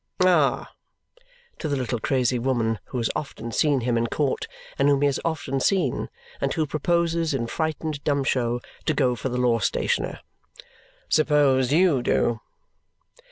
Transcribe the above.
Ah!" to the little crazy woman, who has often seen him in court, and whom he has often seen, and who proposes, in frightened dumb show, to go for the law stationer. "Suppose you do!"